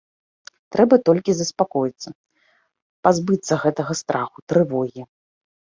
Трэба толькі заспакоіцца, пазбыцца гэтага страху, трывогі.